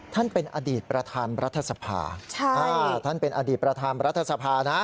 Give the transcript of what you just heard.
ท่านเป็นอดีตประธานรัฐสภาท่านเป็นอดีตประธานรัฐสภานะ